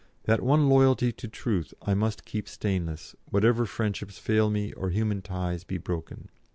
That one loyalty to Truth I must keep stainless, whatever friendships fail me or human ties be broken.